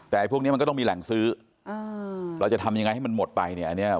แต่พวกนี้มันก็ต้องมีแหล่งซื้อเราจะทำยังไงให้มันหมดไปเนี่ย